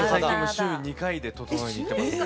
週２回でととのいに行ってますね。